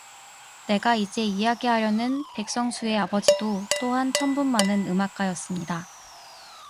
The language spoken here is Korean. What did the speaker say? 내가 이제 이야기하려는 백성수의 아버지도 또한 천분 많은 음악가였습니다.